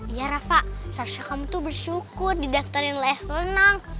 iya rafa seharusnya kamu tuh bersyukur didaftarin les renang